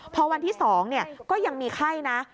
พอวันที่๒ก็ยังมีไข้นะ